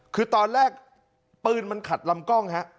คือตอนแรกปืนมันขัดลำกล้องฮะ